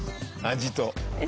味と。